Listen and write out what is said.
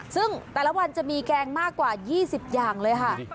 ซึ่งแต่ละวันจะมีแกงมากกว่า๒๐อย่างเลยค่ะ